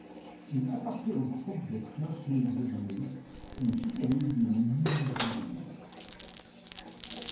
Il appartient au groupe des Klosneuvirinae, une sous-famille des Mimiviridae.